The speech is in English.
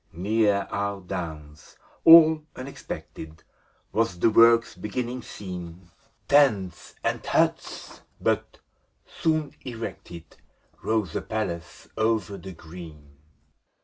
Near our downs, all unexpected, Was the work's beginning seen. Tents and huts! — ^but, soon erected. Rose a palace o'er the green.